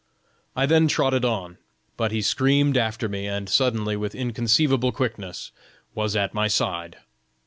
I then trotted on; but he screamed after me, and suddenly with inconceivable quickness was at my side.